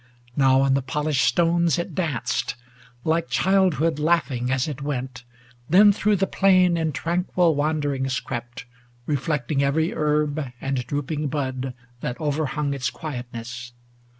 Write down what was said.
Now on the polished stones It danced, like childhood laughing as it went ; Then, through the plain in tranquil wan derings crept, 500 Reflecting every herb and drooping bud That overhung its quietness.